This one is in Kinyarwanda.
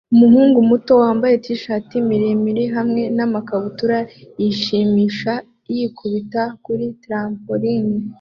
Umuhungu muto wambaye t-shati miremire hamwe namakabutura yishimisha yikubita kuri trampoline